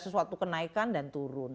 sesuatu kenaikan dan turun